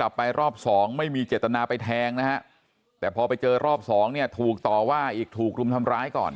กลับไปรอบสองไม่มีเจตนาไปแทงนะฮะแต่พอไปเจอรอบสองเนี่ยถูกต่อว่าอีกถูกรุมทำร้ายก่อน